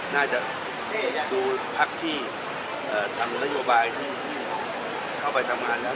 น่าจะดูภักด์ที่ทำนโยบายที่เขาไปทำงานนะครับ